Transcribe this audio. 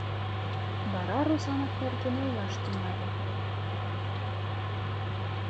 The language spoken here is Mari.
Вара Русанов нерген ойлаш тӱҥале.